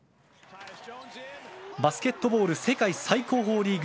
バスケットボール世界最高峰リーグ